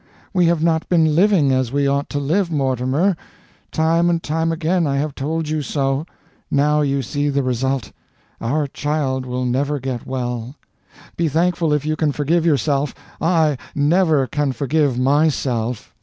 We have not been living as we ought to live, Mortimer. Time and time again I have told you so. Now you see the result. Our child will never get well. Be thankful if you can forgive yourself; I never can forgive myself."